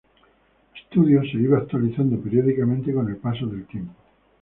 Studios se iban actualizando periódicamente con el paso del tiempo.